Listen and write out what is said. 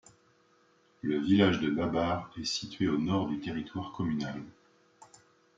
Le village de Babar est situé au nord du territoire communal.